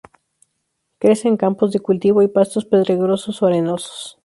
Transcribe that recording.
Crece en campos de cultivo y pastos pedregosos o arenosos.